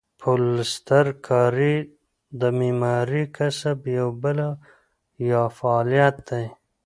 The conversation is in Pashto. پلسترکاري د معمارۍ کسب یوه بله یا فعالیت دی.